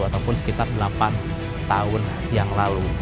ataupun sekitar delapan tahun yang lalu